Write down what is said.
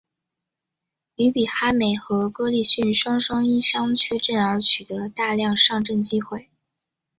于比哈美和哥利逊双双因伤缺阵而取得大量上阵机会。